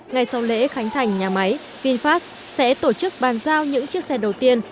ngay sau lễ khánh thành nhà máy vinfast sẽ tổ chức bàn giao những chiếc xe đầu tiên